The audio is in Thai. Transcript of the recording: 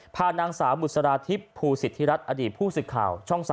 พานางสาวบุษราทิพย์ภูสิทธิรัฐอดีตผู้สื่อข่าวช่อง๓